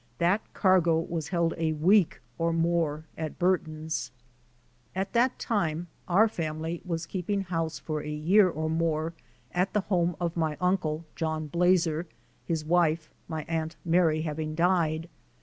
That cargo was held a week or more at Burton's. At that time our family was keeping house for a year or more at the home of my uncle, John Blazer, his wife, my Aunt Mary, having died.